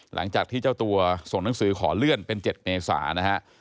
หลังจากที่เจ้าตัวส่งหนังสือขอเลื่อนเป็น๗เมษานะฮะ